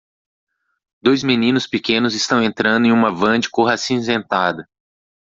Dois meninos pequenos estão entrando em uma van de cor acinzentada.